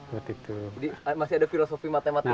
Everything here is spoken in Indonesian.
masih ada filosofi matematikanya ya